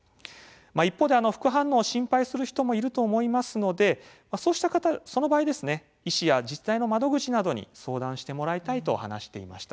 一方で、副反応を心配する人もいると思いますのでその場合、医師や自治体の窓口などに相談してもらいたいと話していました。